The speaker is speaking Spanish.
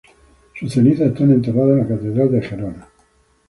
Sus cenizas están enterradas en la Catedral de Gerona.